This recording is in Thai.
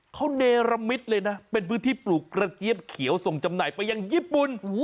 เขาเนรมิตเลยนะเป็นพื้นที่ปลูกกระเจี๊ยบเขียวส่งจำหน่ายไปยังญี่ปุ่น